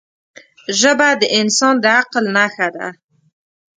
ژبه د انسان د عقل نښه ده